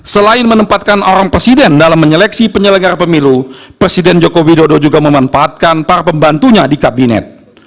selain menempatkan orang presiden dalam menyeleksi penyelenggara pemilu presiden joko widodo juga memanfaatkan para pembantunya di kabinet